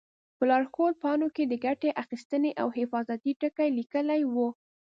په لارښود پاڼو کې د ګټې اخیستنې او حفاظتي ټکي لیکلي وي.